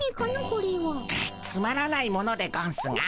これは。つまらないものでゴンスが。